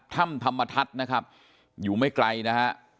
ถ้ำธรรมทัศน์นะครับอยู่ไม่ไกลนะฮะ